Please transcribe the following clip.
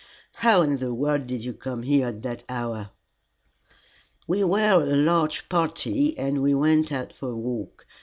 How in the world did you come there at that hour?" "We were a large party and we went out for a walk.